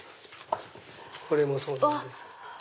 これもそうなんです。